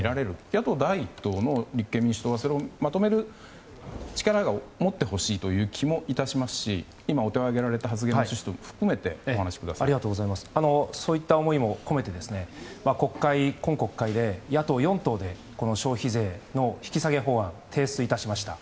野党第１党の立憲民主党はそれをまとめる力を持ってほしいという気も致しますし今、お手を挙げられた趣旨も含めてそういった思いも込めて今国会、野党４党で消費税の引き下げ法案を提出致しました。